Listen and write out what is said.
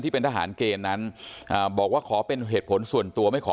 เป็นทหารเกณฑ์นั้นอ่าบอกว่าขอเป็นเหตุผลส่วนตัวไม่ขอ